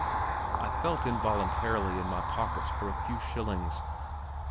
I feel involuntarily in my pockets for a few shillings.